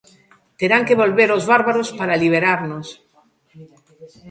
Terán que volver os bárbaros para liberarnos.